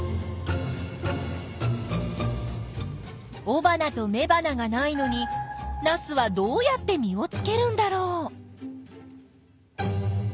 おばなとめばながないのにナスはどうやって実をつけるんだろう？